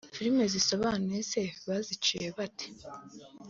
“Filime zisobanuye se baziciye bate